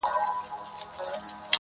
خپل ټبرشو را په یاد جهان مي هیر سو،